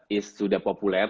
sumba sudah populer